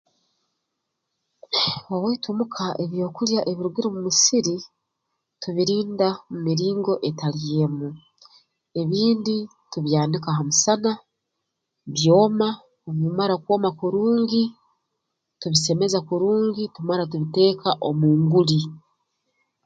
Owaitu muka ebyokulya ebirugire omu musiri tubirinda mu miringo etali emu ebindi tubyanika ha musana byoma obu bimara kwoma kurungi tubisemeza kurungi tumara tubiteeka mu nguli